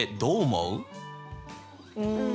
うん。